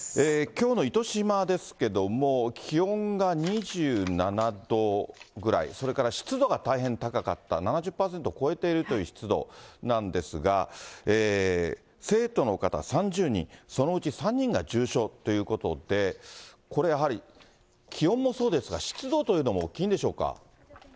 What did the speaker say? きょうの糸島ですけども、気温が２７度ぐらい、それから湿度が大変高かった、７０％超えてるという湿度なんですが、生徒の方３０人、そのうち３人が重症ということで、これやはり気温もそうですが、湿度というのも大きいんでしょうか。